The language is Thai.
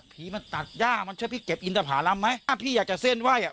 ผีมันตัดย่ามันช่วยพี่เก็บอินทภารำไหมอ่ะพี่อยากจะเส้นไหว้อ่ะ